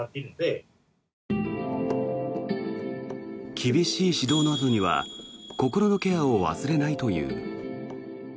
厳しい指導のあとには心のケアを忘れないという。